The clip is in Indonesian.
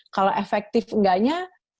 kalau efektif enggaknya